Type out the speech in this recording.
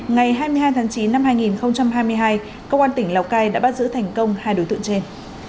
ngày hai mươi hai tháng chín năm hai nghìn hai mươi hai công an tỉnh lào cai đã bắt giữ thành công hai đối tượng trên